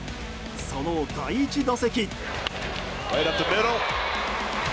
その第１打席。